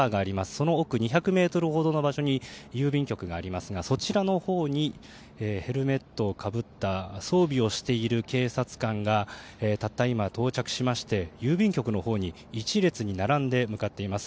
その奥、２００ｍほどの場所に郵便局がありますがそちらのほうにヘルメットをかぶった装備をしている警察官がたった今、到着しまして郵便局のほうに１列に並んで向かっています。